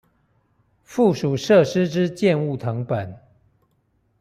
附屬設施之建物謄本